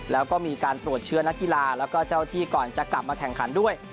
แล้วก็มีการตรวจเชื้อนักกีฬาแล้วก็เจ้าที่ก่อนจะกลับมาแข่งขันด้วย